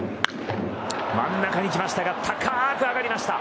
真ん中に来ましたが高く上がりました。